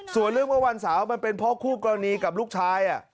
ส่วนเรื่องเมื่อวันเสาร์มันเป็นเพราะคู่กรณีกับลูกชาย